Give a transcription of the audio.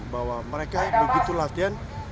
bahwa mereka begitu latihan